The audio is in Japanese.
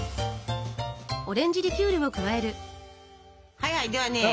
はいはいではね